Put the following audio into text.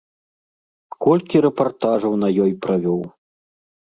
Колькі рэпартажаў на ёй правёў!